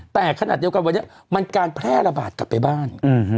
แต่ขณะเดียวกันวันนี้มันการแพร่ระบาดกลับไปบ้าน